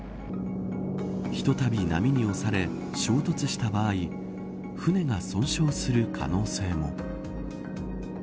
ひとたび波に押され衝突した場合船が損傷する可能性も。